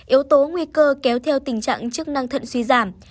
yếu tố nguy cơ kéo theo tình trạng chức năng thận suy giảm